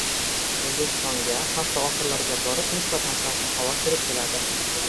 O‘zbekistonga hafta oxirlariga borib nisbatan salqin havo kirib keladi